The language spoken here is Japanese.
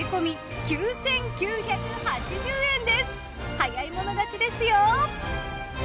早い者勝ちですよ！